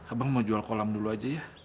abang mau jual kolam dulu aja ya